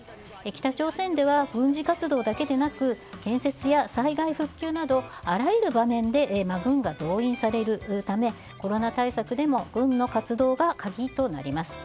北朝鮮では軍事活動だけでなく建設や災害復旧などあらゆる場面で軍が動員されるためコロナ対策でも軍の活動が鍵となります。